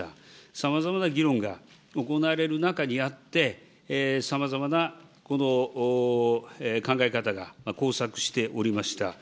さまざまな議論が行われる中にあって、さまざまなこの考え方が交錯しておりました。